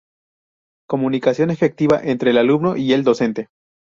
Comunicación efectiva entre el alumno y el docente.